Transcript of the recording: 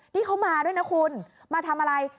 นี่เขามานะครูมาทำอะไร